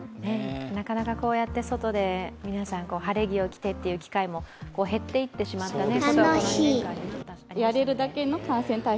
なかなかこうやって外で晴れ着を着てという機会も減ってしまいましたね。